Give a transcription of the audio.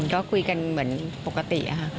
ก็คุยกันเหมือนปกติค่ะ